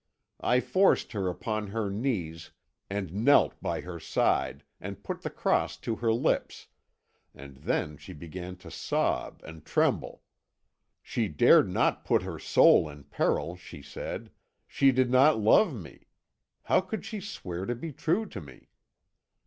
I forced her upon her knees, and knelt by her side, and put the cross to her lips; and then she began to sob and tremble. She dared not put her soul in peril, she said; she did not love me how could she swear to be true to me?